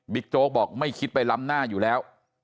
โจ๊กบอกไม่คิดไปล้ำหน้าอยู่แล้ว